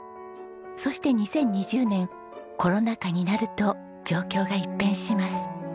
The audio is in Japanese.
そして２０２０年コロナ禍になると状況が一変します。